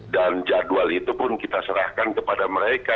dan jadwal itu pun kita serahkan kepada mereka